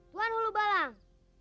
tuhan hulu balang